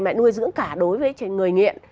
mà nuôi dưỡng cả đối với người nghiện